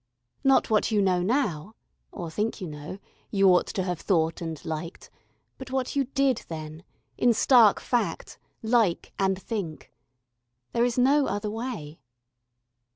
Not what you know now or think you know you ought to have thought and liked, but what you did then, in stark fact, like and think. There is no other way.